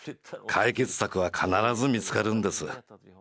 解決策は必ず見つかるんです。